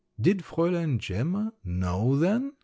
"Did Fräulein Gemma know, then?"